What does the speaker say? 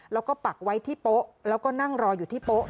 แล้วก็ปักไว้ที่โป๊ะแล้วก็นั่งรออยู่ที่โป๊ะ